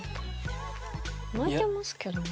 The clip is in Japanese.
巻いてますけどね